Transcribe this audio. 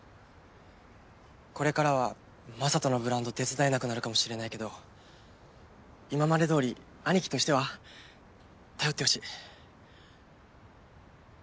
これからは雅人のブランド手伝えなくなるかもしれないけど今まで通り兄貴としては頼ってほしい。